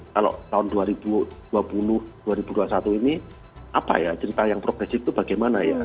kalau tahun dua ribu dua puluh dua ribu dua puluh satu ini apa ya cerita yang progresif itu bagaimana ya